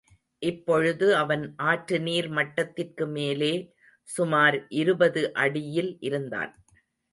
இப்பொழுது அவன் ஆற்று நீர்மட்டத்திற்குமேலே சுமார் இருபது அடியில் இருந்தான்.